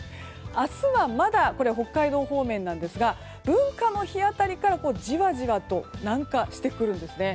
明日はまだ、北海道方面なんですが文化の日辺りから、じわじわと南下してくるんですね。